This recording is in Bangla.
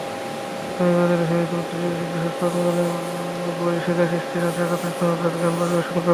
রায়েরবাজার শহীদ বুদ্ধিজীবী স্মৃতিসৌধ প্রাঙ্গণে বহ্নিশিখা, কৃষ্টি চর্চাকেন্দ্র সমবেত গান পরিবেশন করে।